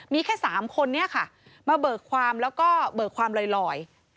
มีแค่๓คนนี้ค่ะมาเบิกความแล้วก็เบิกความลอย